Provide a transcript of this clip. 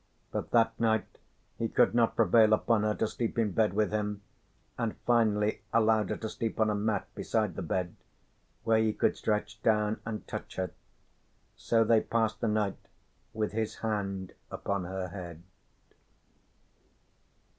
But that night he could not prevail upon her to sleep in bed with him, and finally allowed her to sleep on a mat beside the bed where he could stretch down and touch her. So they passed the night, with his hand upon her head.